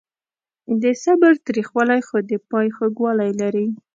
د صبر تریخوالی خو د پای خوږوالی لري.